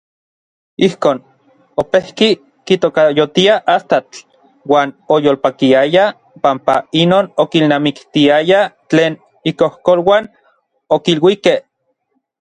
Ijkon, opejki kitokayotia Astatl uan oyolpakiaya panpa inon okilnamiktiaya tlen ikojkoluan okiluikej.